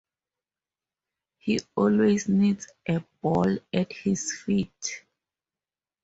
He always needs a ball at his feet.